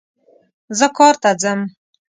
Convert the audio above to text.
زه کار ته ځم